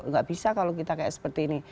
tidak bisa kalau kita seperti ini